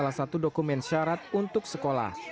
salah satu dokumen syarat untuk sekolah